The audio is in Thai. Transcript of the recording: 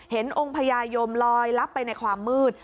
องค์พญายมลอยลับไปในความมืด